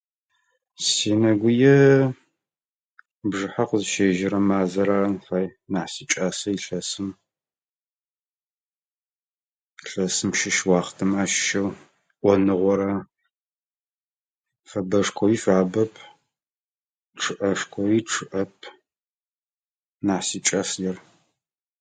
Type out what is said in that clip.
Сенэгуе бжъыхьэ къызщежьэрэ мазэр арын фай нахь сикӏасэр илъэсым. Илъэсым щыщ уахътэмэ ащыщэу, ӏоныгъо ра. Фэбэшкоуи фабэп, чъыӏэшкоуи чъыӏэп. Нахь сикӏас джар.